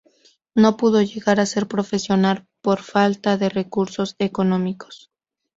No pudo llegar a ser profesional por falta de recursos económicos.